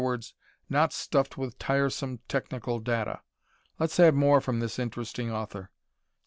not stuffed with tiresome technical data. Let's have more from this interesting author.